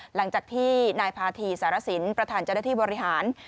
หลังจากที่นายพาธีสารสินประธานเจ้าหน้าที่บริหาร